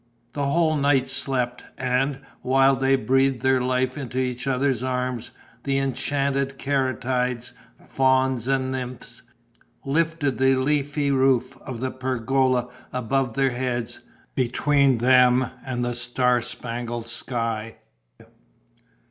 The whole night slept; and, while they breathed their life in each other's arms, the enchanted caryatides fauns and nymphs lifted the leafy roof of the pergola above their heads, between them and the star spangled sky.